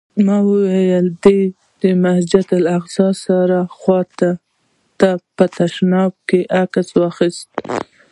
ما وویل: دا مې د مسجداالاقصی سره خوا ته په تشناب کې عکس واخیست.